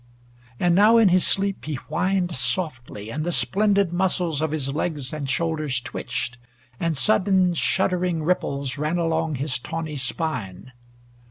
And now, in his sleep, he whined softly, and the splendid muscles of his legs and shoulders twitched, and sudden shuddering ripples ran along his tawny spine.